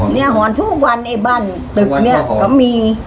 หอนทุกวันไอ้บ้านตึกเนี่ยก็มี